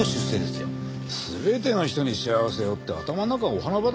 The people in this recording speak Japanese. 「すべての人に幸せを」って頭の中お花畑だよね。